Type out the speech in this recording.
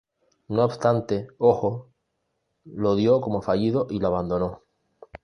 No obstante, Hojo lo dio como fallido y lo abandonó.